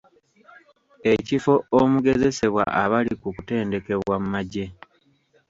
Ekifo omugezesebwa abali mu kutendekebwa mu magye.